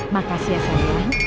makasih ya sayang